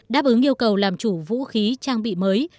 đáp ứng yêu cầu làm chủ vũ khí trang bị mới